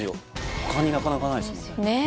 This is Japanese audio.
他になかなかないですもんねえ